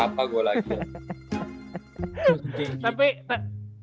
tapi ngomongin sejauh ini ya